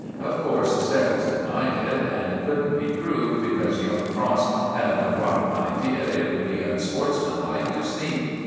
Of course Steggles denied it, and it couldn't be proved, because young Frost had a rotten idea it would be unsportsmanlike to sneak.